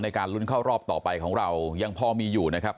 การลุ้นเข้ารอบต่อไปของเรายังพอมีอยู่นะครับ